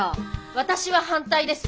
私は反対です。